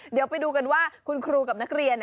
เดี๋ยวไปดูกันว่าคุณครูกับนักเรียน